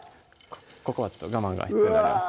ここは我慢が必要になります